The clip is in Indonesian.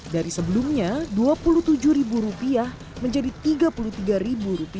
dari sebelumnya rp dua puluh tujuh menjadi rp tiga puluh tiga